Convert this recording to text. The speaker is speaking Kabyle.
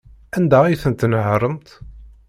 Anda ay tent-tnehṛemt?